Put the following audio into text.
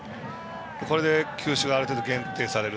これで球種がある程度限定される。